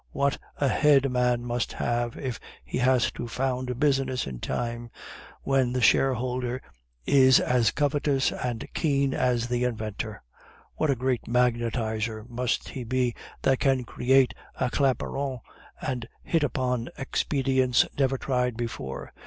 What a head a man must have if he has to found a business in times when the shareholder is as covetous and keen as the inventor! What a great magnetizer must he be that can create a Claparon and hit upon expedients never tried before!